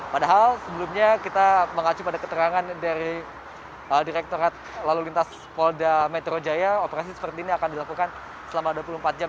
padahal sebelumnya kita mengacu pada keterangan dari direkturat lalu lintas polda metro jaya operasi seperti ini akan dilakukan selama dua puluh empat jam